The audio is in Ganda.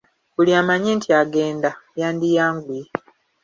Buli amanyi nti agenda yandiyanguye.